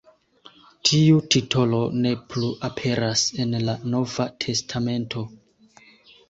Tiu titolo ne plu aperas en la Nova Testamento.